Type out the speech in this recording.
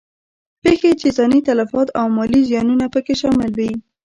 پېښې چې ځاني تلفات او مالي زیانونه په کې شامل وي.